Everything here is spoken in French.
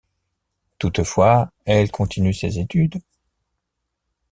Toutefois, elle continue ses études.